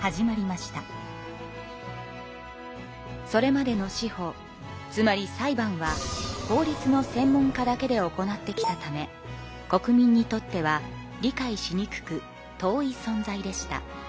それまでの司法つまり裁判は法律の専門家だけで行ってきたため国民にとっては理解しにくく遠い存在でした。